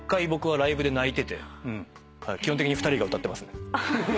基本的に２人が歌ってます。